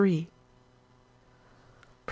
PROP.